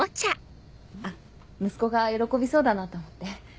あっ息子が喜びそうだなと思って。